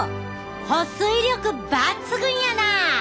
保水力抜群やな！